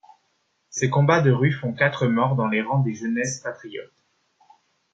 Ces combats de rue font quatre morts dans les rangs des Jeunesses patriotes.